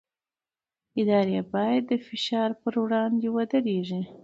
ادارې باید د فشار پر وړاندې ودرېږي